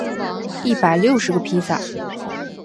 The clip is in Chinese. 一百六十个披萨